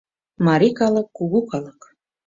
Марий калык — кугу калык.